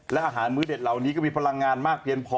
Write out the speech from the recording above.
และอาหารมื้อเด็ดเหล่านี้ก็มีพลังงานมากเพียงพอ